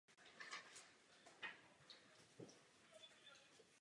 Číselné výplňky jsou založeny na jiném principu.